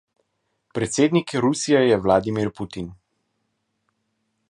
Predsednik Rusije je Vladimir Putin.